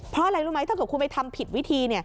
เพราะอะไรรู้ไหมถ้าเกิดคุณไปทำผิดวิธี